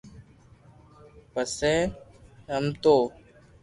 پسي رمتو